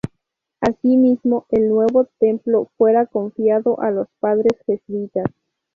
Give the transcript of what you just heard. Asimismo el nuevo templo fuera confiado a los padres jesuitas.